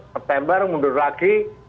september mundur lagi